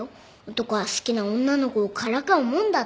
男は好きな女の子をからかうもんだって。